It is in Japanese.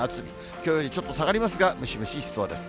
きょうよりちょっと下がりますが、ムシムシしそうです。